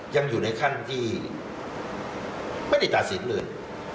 ยังอยู่ในขั้นที่ไม่ได้ตัดสินเลย